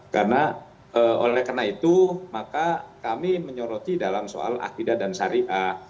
karena oleh karena itu maka kami menyoroti dalam soal akidah dan syariah